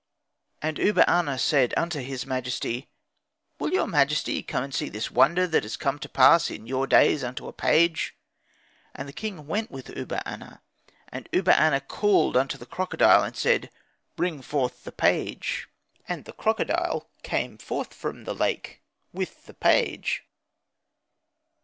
"And Uba aner said unto his majesty, 'Will your majesty come and see this wonder that has come to pass in your days unto a page?' And the king went with Uba aner. And Uba aner called unto the crocodile and said, 'Bring forth the page.' And the crocodile came forth from the lake with the page.